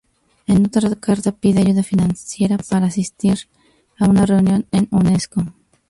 En otra carta pide ayuda financiera para poder asistir a una reunión en Unesco.